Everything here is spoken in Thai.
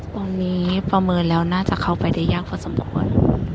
ตรงนี้ประเมินแล้วน่าจะเข้าไปได้ยากพอสมควร